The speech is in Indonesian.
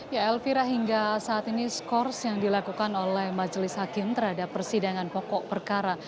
ya elvira hingga saat ini skors yang dilakukan oleh majelis hakim terhadap persidangan pokok perkara